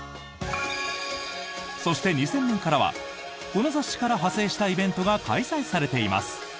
そして、２０００年からはこの雑誌から派生したイベントが開催されています。